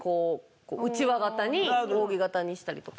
うちわ形に扇形にしたりとか。